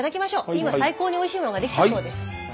今最高においしいものが出来たそうです。